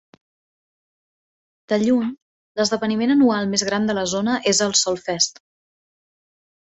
De lluny, l'esdeveniment anual més gran de la zona és el Solfest.